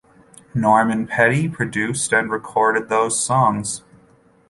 Norman Petty produced and recorded those songs.